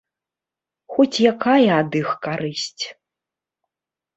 Хоць якая ад іх карысць.